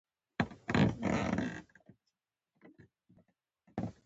چې غواړي پر واک او سرچینو کنټرول ترلاسه کړي